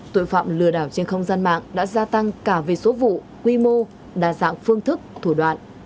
tội phạm lừa đảo trên không gian mạng đã gia tăng cả về số vụ quy mô đa dạng phương thức thủ đoạn